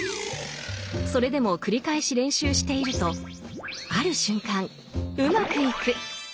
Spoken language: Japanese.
それでも繰り返し練習しているとある瞬間うまくいく。